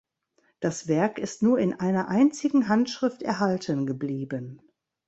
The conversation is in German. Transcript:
Das Werk ist nur in einer einzigen Handschrift erhalten geblieben.